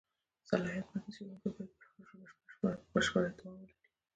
صلاحیت: متن څېړونکی باید پر هغه ژبه بشېړه احتوا ولري.